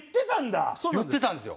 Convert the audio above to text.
言ってたんですよ。